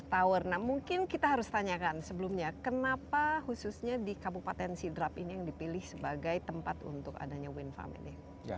tower nah mungkin kita harus tanyakan sebelumnya kenapa khususnya di kabupaten sidrap ini yang dipilih sebagai tempat untuk adanya wind farm ini